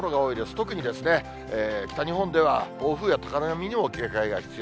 特に北日本では暴風や高波にも警戒が必要。